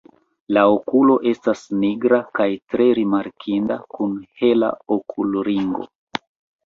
La okulo estas nigra kaj tre rimarkinda kun hela okulringo.